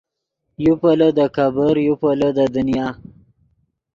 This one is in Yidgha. یو پیلو دے کېبر یو پیلو دے دنیا